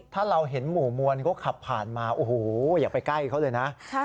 ถ้าเราเห็นหมู่มวลเขาขับผ่านมาโอ้โหอย่าไปใกล้เขาเลยนะ